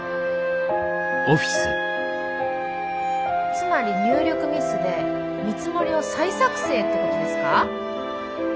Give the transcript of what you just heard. つまり入力ミスで見積もりを再作成ってことですか？